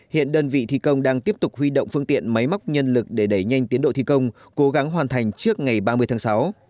hiện đơn vị thi công đang tiếp tục huy động phương tiện máy móc nhân lực để đẩy nhanh tiến độ thi công cố gắng hoàn thành trước ngày ba mươi tháng sáu